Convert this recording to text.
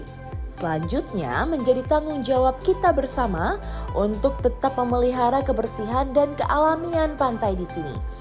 jadi selanjutnya menjadi tanggung jawab kita bersama untuk tetap memelihara kebersihan dan kealamian pantai di sini